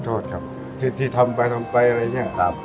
โทษครับที่ทำไปทำไปอะไรอย่างนี้ครับ